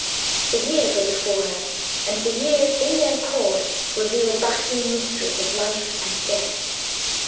The years were before her; and the years in their course reveal baffling mysteries of life and death.